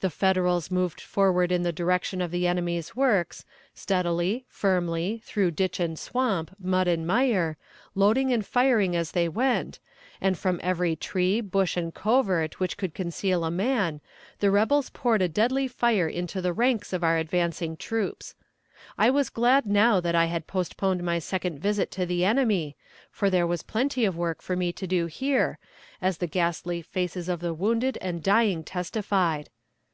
The Federals moved forward in the direction of the enemy's works, steadily, firmly, through ditch and swamp, mud and mire, loading and firing as they went, and from every tree, bush and covert, which could conceal a man, the rebels poured a deadly fire into the ranks of our advancing troops. I was glad now that I had postponed my second visit to the enemy, for there was plenty of work for me to do here, as the ghastly faces of the wounded and dying testified.